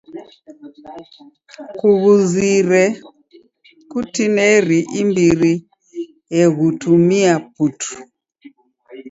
Kughuizire kutineri imbiri eghutumia putu.